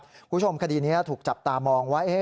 คุณผู้ชมคดีนี้ถูกจับตามองว่า